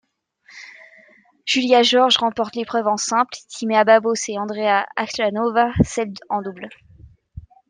Julia Görges remporte l'épreuve en simple, Tímea Babos et Andrea Hlaváčková celle en double.